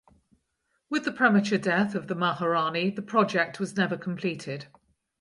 With the premature death of the maharani the project was never completed.